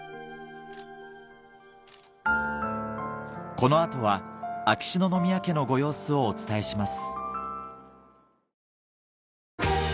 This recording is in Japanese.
この後は秋篠宮家のご様子をお伝えします